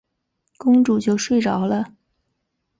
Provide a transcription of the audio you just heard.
公主就睡着了。